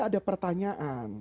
jadi ada pertanyaan